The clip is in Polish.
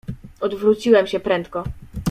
"Odwróciłem się prędko."